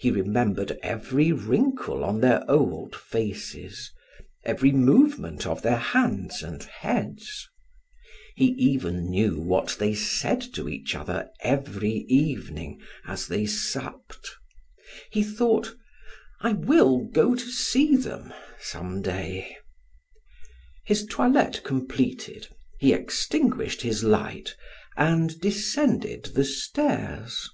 He remembered every wrinkle on their old faces, every movement of their hands and heads; he even knew what they said to each other every evening as they supped. He thought: "I will go to see them some day." His toilette completed, he extinguished his light and descended the stairs.